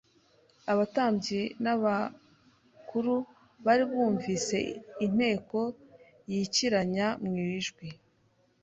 Abatambyi n'abakuru bari bumvise inteko yikiranya mu ijwi